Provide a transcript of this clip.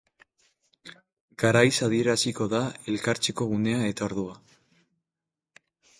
Garaiz adieraziko da elkartzeko gunea eta ordua.